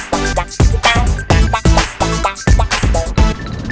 โปรดติดตามตอนต่อไป